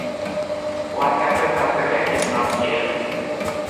What happened after that is not clear.